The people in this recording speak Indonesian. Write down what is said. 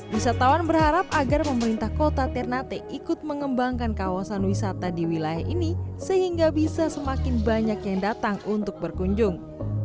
wisatawan berharap agar pemerintah kota ternate ikut mengembangkan kawasan wisata di wilayah ini sehingga bisa semakin banyak yang datang untuk berkunjung